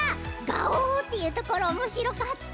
「がおー！」っていうところおもしろかった。